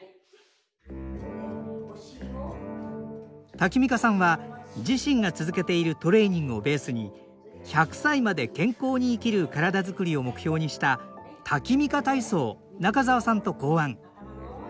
タキミカさんは自身が続けているトレーニングをベースに１００歳まで健康に生きる体づくりを目標にした「タキミカ体操」を中沢さんと考案。